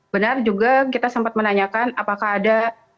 benar juga kita sempat menanyakan apakah ada